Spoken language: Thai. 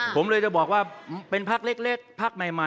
ผมเลยจะบอกว่าเป็นพักเล็ก